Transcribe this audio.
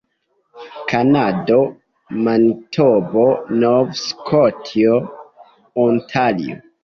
Kanado: Manitobo, Nov-Skotio, Ontario.